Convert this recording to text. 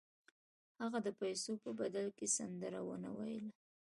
هغه د پیسو په بدل کې سندره ونه ویله